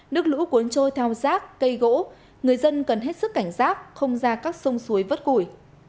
nước lũ cuốn trôi theo rác cây gỗ người dân cần hết sức cảnh giác không ra các sông suối vất củi